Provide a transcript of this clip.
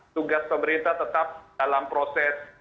tugas pemerintah tetap dalam proses